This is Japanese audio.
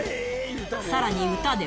さらに歌でも。